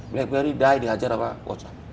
blackberry die dihajar sama